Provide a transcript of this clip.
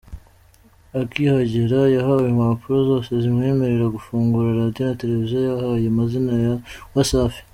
Akihagera yahawe impapuro zose zimwemerera gufungura Radio na Televiziyo yahaye amazina ya Wasafi .